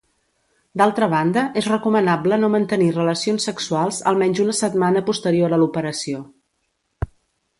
D'altra banda és recomanable no mantenir relacions sexuals almenys una setmana posterior a l'operació.